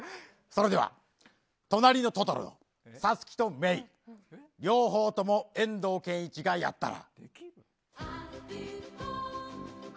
それでは「となりのトトロ」のサツキとメイを両方とも遠藤憲一がやったら。